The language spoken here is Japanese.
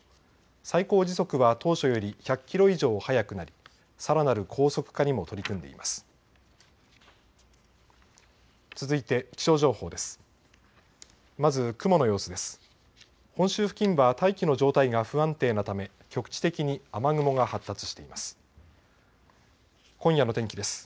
最高時速は当初より１００キロ以上速くなりさらなる高速化にも取り組んでいます。